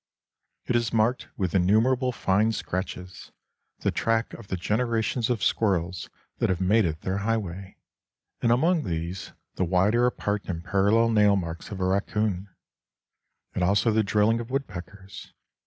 It is marked with innumerable fine scratches, the track of the generations of squirrels that have made it their highway; and among these, the wider apart and parallel nail marks of a raccoon, and also the drilling of woodpeckers.